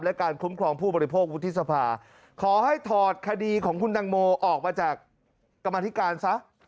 และการคุ้มครองผู้บริโภควุฒิสภาขอให้ถอดคดีของคุณตังโมออกมาจากกรรมธิการซะ